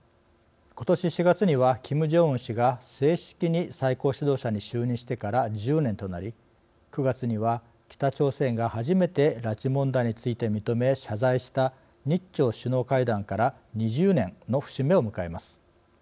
ことし４月にはキム・ジョンウン氏が正式に最高指導者に就任してから１０年となり９月には北朝鮮が初めて拉致問題について認め謝罪した日朝首脳会談から２０年の節目を迎えます。